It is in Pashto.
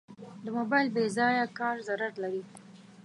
د موبایل بېځایه کار ضرر لري.